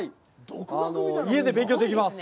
家で勉強できます。